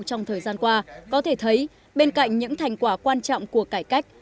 trong thời gian qua có thể thấy bên cạnh những thành quả quan trọng của cải cách